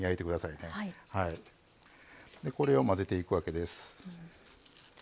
でこれを混ぜていくわけです。